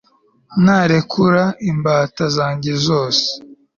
Narekura imbata zanjye zose